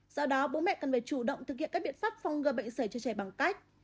do đó bố mẹ cần phải chủ động thực hiện các biện pháp phong g bệnh sởi cho trẻ bằng cách